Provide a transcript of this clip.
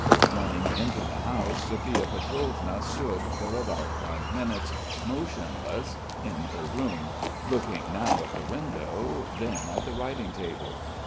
Running into the house Sophia Pietrovna stood for about five minutes motionless in her room, looking now at the window then at the writing table....